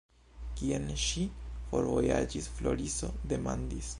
Kien ŝi forvojaĝis? Floriso demandis.